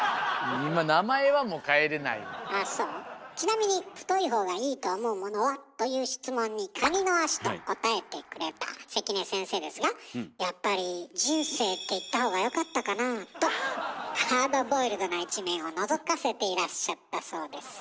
ちなみに「太いほうがいいと思うものは？」という質問に「カニのあし」と答えてくれた関根先生ですが「やっぱり『人生』って言ったほうがよかったかな？」とハードボイルドな一面をのぞかせていらっしゃったそうです。